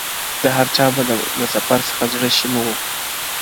د هرچا به له سفر څخه زړه شین وو -